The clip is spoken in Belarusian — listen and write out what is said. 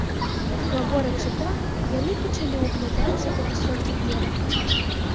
Гаворачы так, яны пачалі ўглядацца ў высокі бераг.